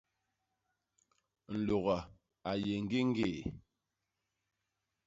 Nlôga a yé ñgéñgéé.